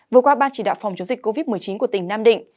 vừa qua ban chỉ đạo phòng chống dịch covid một mươi chín của tỉnh nam định